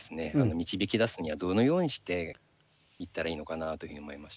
導き出すにはどのようにしていったらいいのかなというふうに思いまして。